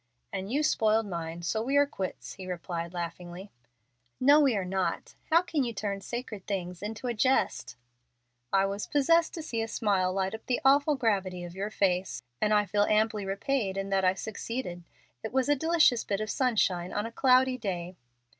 "And you spoiled mine. So we are quits," he replied, laughingly. "No, we are not. How can you turn sacred things into a jest?" "I was possessed to see a smile light up the awful gravity of your face, and I feel amply repaid in that I succeeded. It was a delicious bit of sunshine on a cloudy day."